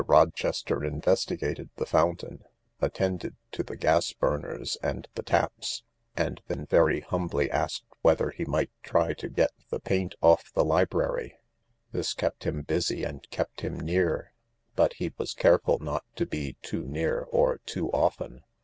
Rochester investigated the fountain, attended to the gas burners and the taps, and then very humbly asked whether he might try to get the paint oft the library. This kept him busy and kept him near : but he was careful not to be too near or too often.